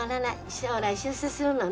将来出世するのね。